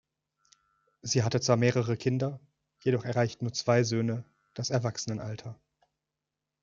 Sie hatte zwar mehrere Kinder, jedoch erreichten nur zwei Söhne das Erwachsenenalter.